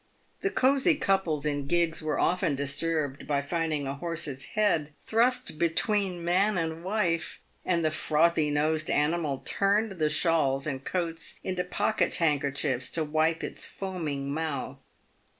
The cosy couples in gigs were often disturbed by finding a horse's head thrust between man and wife, and the frothy nosed animal turned the shawls and coats into pocket handkerchiefs to wipe its foaming mouth.